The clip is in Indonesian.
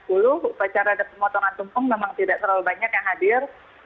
upacara dan pemotongan tumpeng memang tidak terlalu banyak yang hadir